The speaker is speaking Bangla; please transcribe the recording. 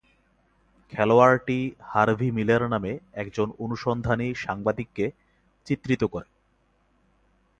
খেলোয়াড়টি হার্ভি মিলার নামে একজন অনুসন্ধানী সাংবাদিককে চিত্রিত করে।